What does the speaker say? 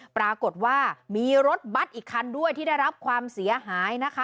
ปรากฏว่ามีรถบัตรอีกคันด้วยที่ได้รับความเสียหายนะคะ